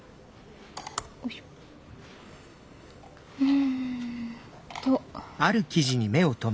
うんと。